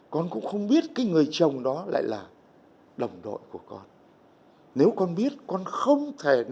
con cũng không biết cái người chồng đó đã có chồng